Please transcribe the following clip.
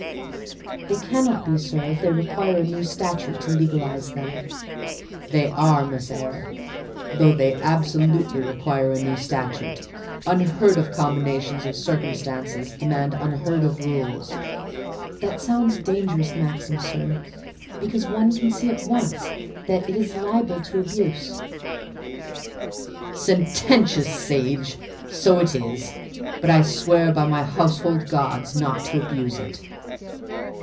"They cannot be, sir, if they require a new statute to legalise them." "They are, Miss Eyre, though they absolutely require a new statute: unheard of combinations of circumstances demand unheard of rules." "That sounds a dangerous maxim, sir; because one can see at once that it is liable to abuse." "Sententious sage! so it is: but I swear by my household gods not to abuse it."